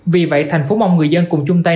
vì vậy thành phố mong người dân cùng chung tay